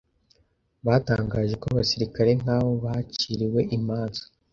batangaje ko abasirikare nk'abo baciriwe imanza